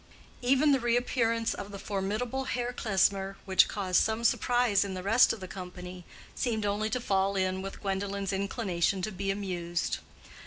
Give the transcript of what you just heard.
Even the reappearance of the formidable Herr Klesmer, which caused some surprise in the rest of the company, seemed only to fall in with Gwendolen's inclination to be amused.